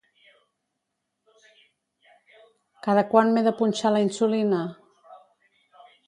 Cada quant m'he de punxar la insulina?